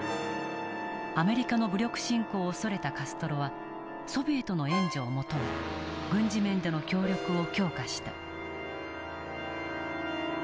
アメリカの武力侵攻を恐れたカストロはソビエトの援助を求め軍事面での協力を強化した。